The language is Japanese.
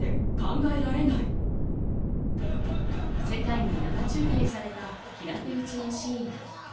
世界に生中継された平手打ちのシーン。